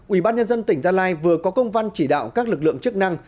ủy ban nhân dân tỉnh gia lai vừa có công văn chỉ đạo các lực lượng chức năng